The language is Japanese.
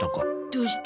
どうして？